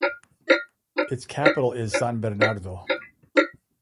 Its capital is San Bernardo.